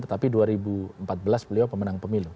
tetapi dua ribu empat belas beliau pemenang pemilu